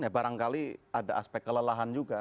ya barangkali ada aspek kelelahan juga